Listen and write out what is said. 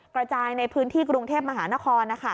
กระจายในพื้นที่กรุงเทพมหานคร